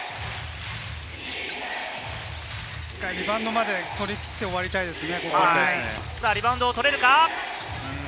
しっかり、リバウンドまで取り切って終わりたいですね。